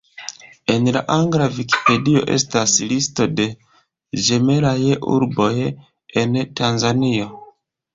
En la angla Vikipedio estas listo de ĝemelaj urboj en Tanzanio.